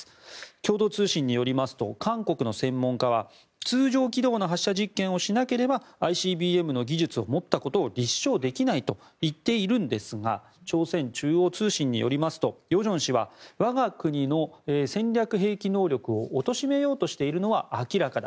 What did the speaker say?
共同通信によりますと韓国の専門家は通常軌道の発射実験をしなければＩＣＢＭの技術を持ったことを立証できないと言っているんですが朝鮮中央通信によりますと与正氏は我が国の戦略兵器能力をおとしめようとしているのは明らかだ。